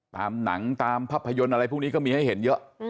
ตามหนังตามภาพยนตร์อะไรพวกนี้ก็มีให้เห็นเยอะ